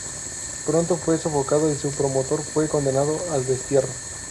Pronto fue sofocado y su promotor fue condenado al destierro.